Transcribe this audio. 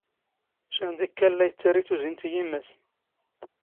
ⵛⴰⵏ ⵜⵉⴽⴽⴰⵍ ⵍⴰ ⵉⵜⵜⴰⵔⵉ ⵜⵓⵣⵉⵏⵜ ⵉ ⵢⵉⵎⵎⴰⵙ.